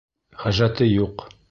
Хәжәте юҡ